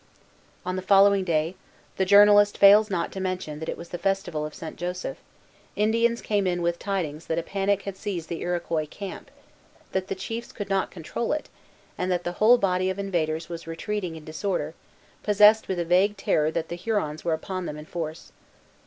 On the following day, the journalist fails not to mention that it was the festival of Saint Joseph, Indians came in with tidings that a panic had seized the Iroquois camp, that the chiefs could not control it, and that the whole body of invaders was retreating in disorder, possessed with a vague terror that the Hurons were upon them in force.